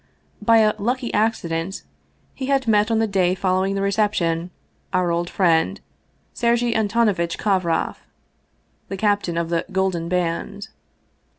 By a " lucky accident " he had met on the day following the reception our old friend Sergei Antonovitch Kovroff, the " captain of the Golden Band."